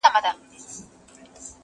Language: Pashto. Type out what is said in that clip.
شهادت د حماقت يې پر خپل ځان كړ.!